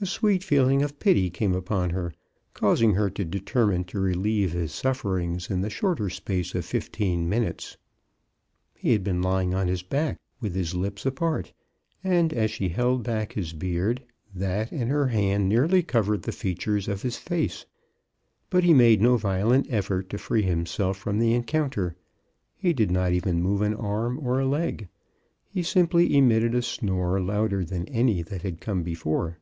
A sweet feeling of pity came upon her, causing her to determine to relieve his sufferings in the shorter space of fifteen minutes. He had been lying on his back, with his lips apart, and as she held back his beard, that and her hand nearly covered the features of his face. But he made no violent effort to free himself from the encounter. He did not even move an arm or a leg. He simply emitted a snore louder than any that had come before.